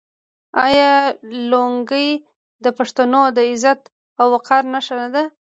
آیا لونګۍ د پښتنو د عزت او وقار نښه نه ده؟